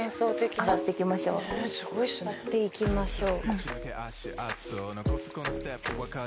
上がっていきましょう。